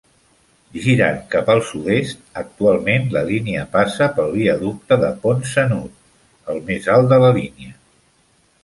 Girant cap al sud-est, actualment la línia passa pel viaducte de Ponsanooth, el més alt de la línia.